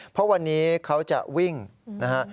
เพราะวันนี้เขาจะวิ่งนะฮะ